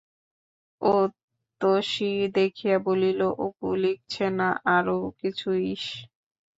অতসী দেখিয়া বলিল, অপু লিখেছে না আরও কিছু-ইস!